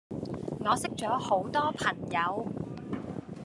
我識左好多朋友